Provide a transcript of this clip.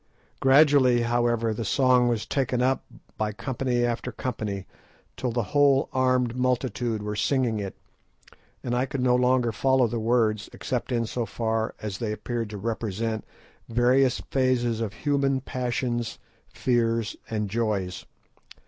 _" Gradually, however, the song was taken up by company after company, till the whole armed multitude were singing it, and I could no longer follow the words, except in so far as they appeared to represent various phases of human passions, fears, and joys.